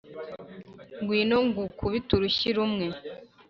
ngwino ngukubite urushyi rumwe